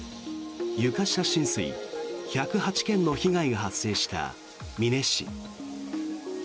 床下浸水１０８件の被害が発生した美祢市。